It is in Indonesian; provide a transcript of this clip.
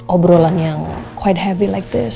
obrolan yang cukup berat seperti ini